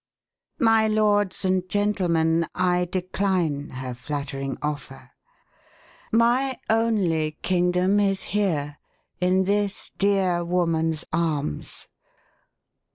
My lords and gentlemen, I decline her flattering offer. My only kingdom is here in this dear woman's arms.